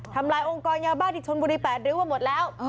ทำลายองค์กรยาบาทิชชนบุรีแปดหรือว่าหมดแล้ว